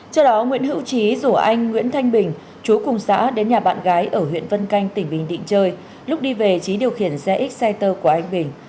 trước đó nguyễn hữu trí rủ anh nguyễn thanh bình chú cùng xã đến nhà bạn gái ở huyện vân canh tỉnh bình định chơi lúc đi về trí điều khiển xe x ctor của anh bình